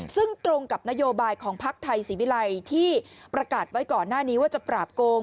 ซึ่งตรงกับนโยบายของภักดิ์ไทยศรีวิลัยที่ประกาศไว้ก่อนหน้านี้ว่าจะปราบโกง